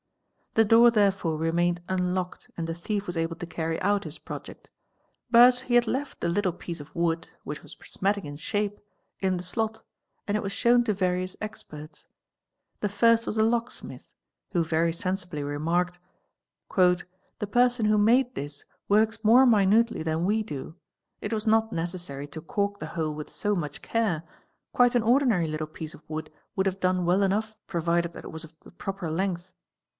'The door therefore remain unlocked and the thief was able to carry out his project ; but he had | the little piece of wood, which was prismatic in shape, in the slot ar d was shown to various experts. The first was a locksmith, who vy sensibly remarked " the person who made this works more minutely th we do; it was not necessary to cork the hole with so much care, ¢ 1 an ordinary little piece of wood would have done well enough provi that it was of the proper length".